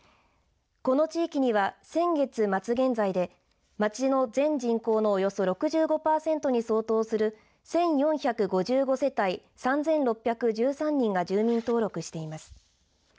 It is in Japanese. この地域には、先月末現在で町の全人口のおよそ６５パーセントに相当する１４５５世帯３６１３人が住民登録しています。